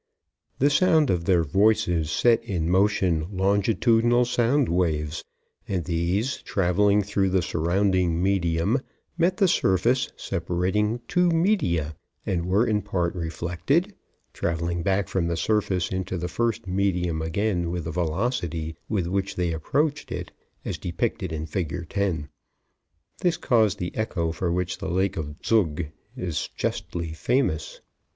The sound of their voices set in motion longitudinal sound waves, and these, traveling through the surrounding medium, met the surface separating two media and were in part reflected, traveling back from the surface into the first medium again with the velocity with which they approached it, as depicted in Fig. 10. This caused the echo for which the Lake of Zug is justly famous.